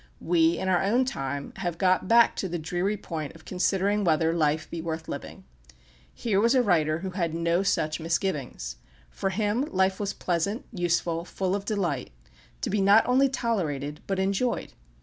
We, in our own time, have got back to the dreary point of considering whether life be worth living. Here was a writer who had no such misgivings. For him life was pleasant, useful, full of delight to be not only tolerated, but enjoyed.